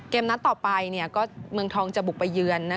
เกมนัทต่อไปเนี่ยก็เมืองทองจะบุกไปเยือน